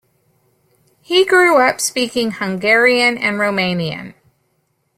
He grew up speaking Hungarian and Romanian.